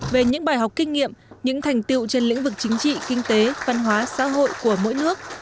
về những bài học kinh nghiệm những thành tiệu trên lĩnh vực chính trị kinh tế văn hóa xã hội của mỗi nước